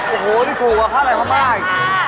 โอ้โฮนี่สูงออกมาก